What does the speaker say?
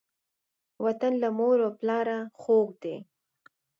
وطن له مور او پلاره خووږ دی.